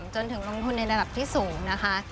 จนถึงลงทุนในระดับที่สูงนะคะ